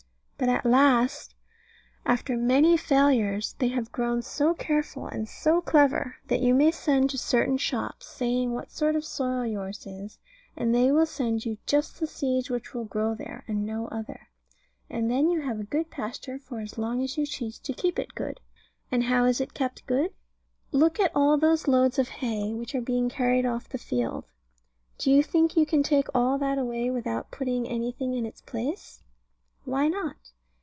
But at last, after many failures, they have grown so careful and so clever, that you may send to certain shops, saying what sort of soil yours is, and they will send you just the seeds which will grow there, and no other; and then you have a good pasture for as long as you choose to keep it good. And how is it kept good? Look at all those loads of hay, which are being carried off the field. Do you think you can take all that away without putting anything in its place? Why not?